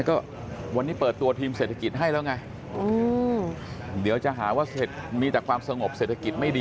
ก็วันนี้เปิดตัวทีมเศรษฐกิจให้แล้วไงเดี๋ยวจะหาว่ามีแต่ความสงบเศรษฐกิจไม่ดี